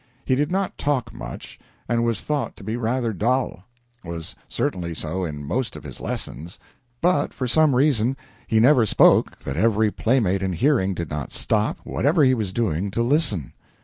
He did not talk much, and was thought to be rather dull was certainly so in most of his lessons but, for some reason, he never spoke that every playmate in hearing did not stop, whatever he was doing, to listen.